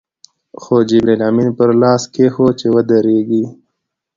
خو جبرائیل امین پرې لاس کېښود چې ودرېږي.